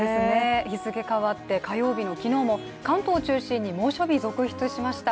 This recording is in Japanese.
日付変わって火曜日の昨日も、関東中心に猛暑日、続出しました。